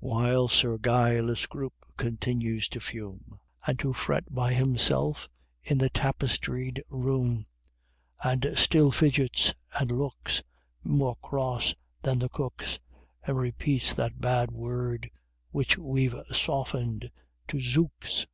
While Sir Guy Le Scroope continues to fume, And to fret by himself in the tapestried room, And still fidgets and looks More cross than the cooks, And repeats that bad word, which we've softened to "Zooks!"